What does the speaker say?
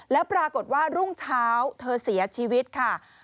แล้วปรากฏว่ารุ่งเช้าเธอเสียชีวิตค่ะ